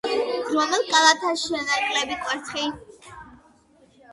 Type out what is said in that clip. რომელ კალათაშია ნაკლები კვერცხი?